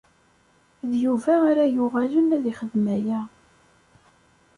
D Yuba ara yuɣalen ad ixeddem aya.